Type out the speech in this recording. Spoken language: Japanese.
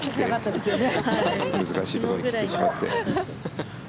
難しいところに切ってしまって。